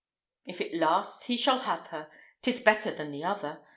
If it lasts he shall have her: 'tis better than the other.